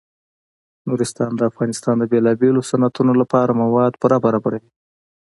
نورستان د افغانستان د بیلابیلو صنعتونو لپاره مواد پوره برابروي.